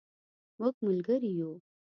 مونږ ملګري یو